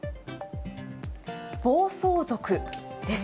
暴走族です。